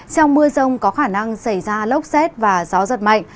trong mưa rông có khả năng xảy ra lốc xét và gió giật mạnh